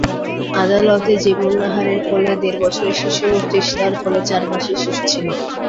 আদালতে জেবুন্নাহারের কোলে দেড় বছরের শিশু এবং তৃষ্ণার কোলে চার মাসের শিশু ছিল।